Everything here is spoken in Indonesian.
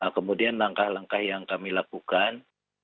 kemudian langkah langkah yang kami lakukan